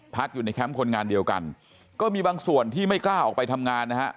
พักอยู่ในแคมป์คนงานเดียวกันก็มีบางส่วนที่ไม่กล้าออกไปทำงานนะฮะ